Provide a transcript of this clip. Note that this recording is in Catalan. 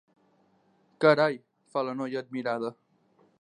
Carai —fa la noia, admirada—.